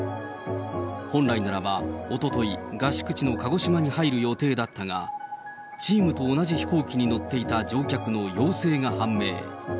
本来ならばおととい、合宿地の鹿児島に入る予定だったが、チームと同じ飛行機に乗っていた乗客の陽性が判明。